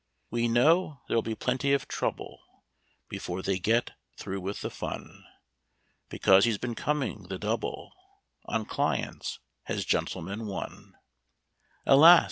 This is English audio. We know there'll be plenty of trouble Before they get through with the fun, Because he's been coming the double On clients, has "Gentleman, One". Alas!